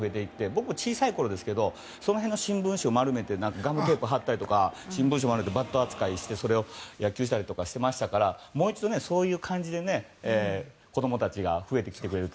ぼく、小さいころその辺の新聞紙を丸めてガムテープを貼ったりとか新聞紙丸めてバット扱いして野球したりしていましたからもう一度、そういう感じで子供たちが増えてきてくれると。